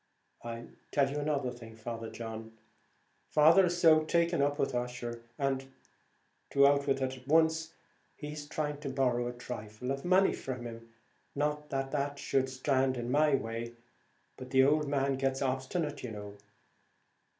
"I'll tell you another thing, Father John; father is so taken up with Ussher, and to out with it at once he's trying to borrow a thrifle of money from him; not that that should stand in my way, but the ould man gets obstinate, you know."